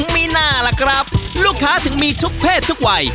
มีหน้าล่ะครับลูกค้าถึงมีทุกเพศทุกวัย